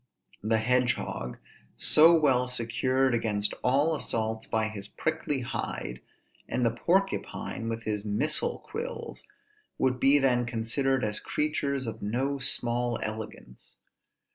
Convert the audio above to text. The hedge hog, so well secured against all assaults by his prickly hide, and the porcupine with his missile quills, would be then considered as creatures of no small elegance.